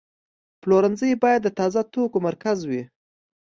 پلورنځی باید د تازه توکو مرکز وي.